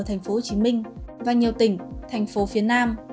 thành phố hồ chí minh và nhiều tỉnh thành phố phía nam